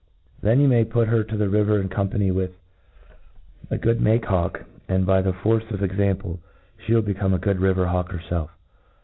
Then you may put her to the river in company with a good make hawk ; and, by the force of exam ple, (he will become a good river*hawk herfelf.